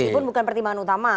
meskipun bukan pertimbangan utama